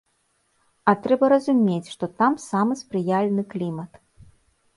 А трэба разумець, што там самы спрыяльны клімат.